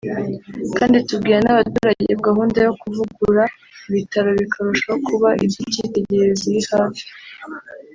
kandi tubwira n’abaturage ko gahunda yo kuvugura ibitaro bikarushako kuba iby’icyitegererezo iri hafi